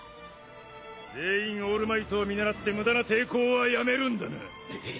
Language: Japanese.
全員オールマイトを見習って無駄な抵抗はやめるんだな。